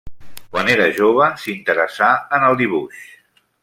Quan era jove, s'interessà en el dibuix.